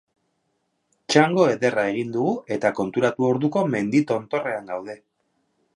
Txango ederra egin dugu eta konturatu orduko mendi tontorrean geunden.